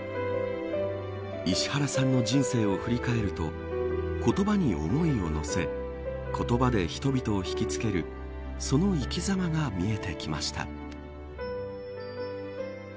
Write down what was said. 石原さんの人生を振り返ると言葉に思いを乗せ言葉で人々を引きつけるその生きざまが見えてきました。